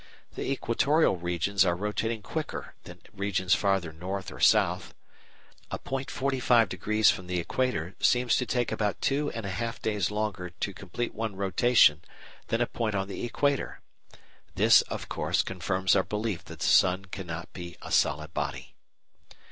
The "equatorial" regions are rotating quicker than regions farther north or south. A point forty five degrees from the equator seems to take about two and a half days longer to complete one rotation than a point on the equator. This, of course, confirms our belief that the sun cannot be a solid body.